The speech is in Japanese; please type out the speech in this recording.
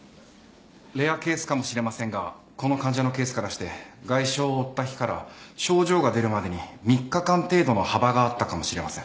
レアケースかもしれませんがこの患者のケースからして外傷を負った日から症状が出るまでに３日間程度の幅があったかもしれません。